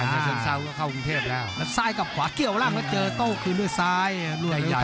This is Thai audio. แล้วใส่กับขวาแก้าร่างเจอโต้ขึ้นด้วยซ้าย